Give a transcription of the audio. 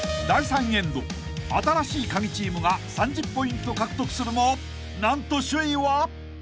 ［第３エンド新しいカギチームが３０ポイント獲得するも何と首位は］